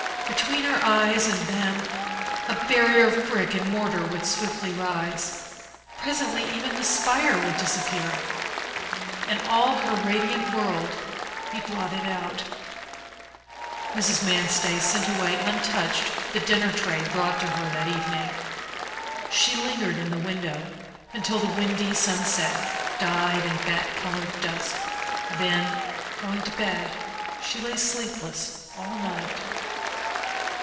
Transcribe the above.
Between her eyes and them a barrier of brick and mortar would swiftly rise; presently even the spire would disappear, and all her radiant world be blotted out. Mrs. Manstey sent away untouched the dinner tray brought to her that evening. She lingered in the window until the windy sunset died in bat colored dusk; then, going to bed, she lay sleepless all night.